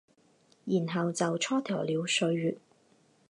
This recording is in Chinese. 然后就蹉跎了岁月